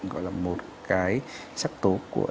gọi là một cái sắc tố của